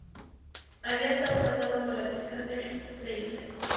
Había estado casado con la actriz Catherine Lacey.